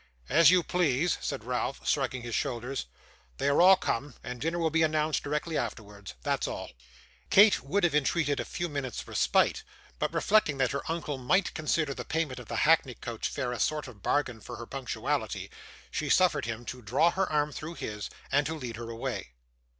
'As you please,' said Ralph, shrugging his shoulders. 'They are all come, and dinner will be announced directly afterwards that's all.' Kate would have entreated a few minutes' respite, but reflecting that her uncle might consider the payment of the hackney coach fare a sort of bargain for her punctuality, she suffered him to draw her arm through his, and to lead her away.